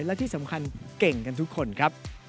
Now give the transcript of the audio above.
และที่สำคัญเก่งกันทุกคนครับ